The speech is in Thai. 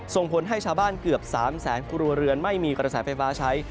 ส่งผลให้ชาวบ้านเกือบ๓แสนครัวเรือนไม่มีกระแสไฟฟ้าใช้